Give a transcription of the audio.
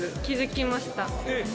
気付きました。